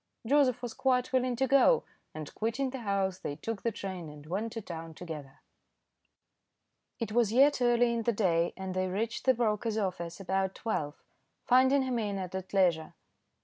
Joseph was quite willing to go, and quitting the house, they took the train and went to town together. It was yet early in the day, and they reached the broker's office about twelve, finding him in and at leisure.